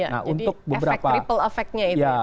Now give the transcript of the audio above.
jadi efek triple efeknya itu